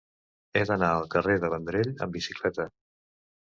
He d'anar al carrer de Vendrell amb bicicleta.